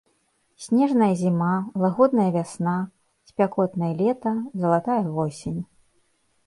Снежная зіма, лагодная вясна, спякотнае лета, залатая восень.